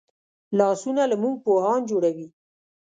لاسونه له موږ پوهان جوړوي